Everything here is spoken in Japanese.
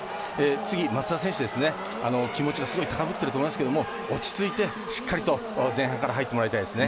次、松田選手は気持ちが、すごく高ぶっていると思いますけども落ち着いて、しっかりと前半から入ってもらいたいですね。